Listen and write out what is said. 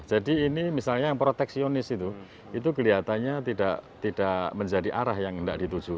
ini misalnya yang proteksionis itu itu kelihatannya tidak menjadi arah yang tidak dituju